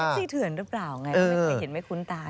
แท็กซี่เถื่อนรึเปล่าไงไม่เห็นไม่คุ้นตาเนอะ